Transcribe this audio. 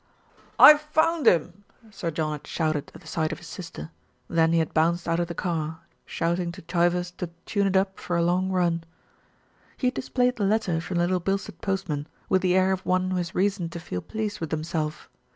"I've found him!" Sir John had shouted at the sight of his sister, then he had bounced out of the car, shout ing to Chivers to tune it up for a long run. He had displayed the letter from the Little Bilstead postman, with the air of one who has reason to feel pleased with himself.